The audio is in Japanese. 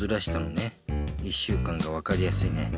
１週間がわかりやすいね。